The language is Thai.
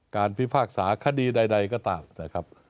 การพิภาคศาขดีใดก็ตามครับ